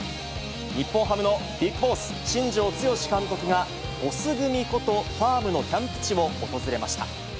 日本ハムのビッグボス、新庄剛志監督が、ボス組ごとファームのキャンプ地を訪れました。